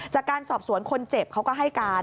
จากการสอบสวนคนเจ็บเขาก็ให้การ